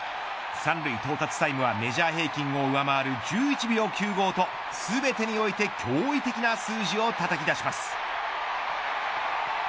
三塁到達タイムはメジャー平均を上回る１１秒９５と全てにおいて驚異的な数字をたたき出します。